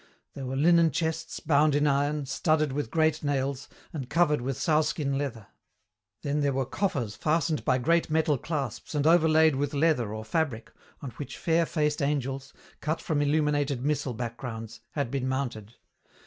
There were linen chests, bound in iron, studded with great nails, and covered with sowskin leather. Then there were coffers fastened by great metal clasps and overlaid with leather or fabric on which fair faced angels, cut from illuminated missal backgrounds, had been mounted.